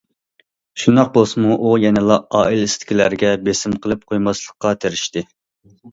شۇنداق بولسىمۇ ئۇ يەنىلا ئائىلىسىدىكىلەرگە بېسىم قىلىپ قويماسلىققا تىرىشتى.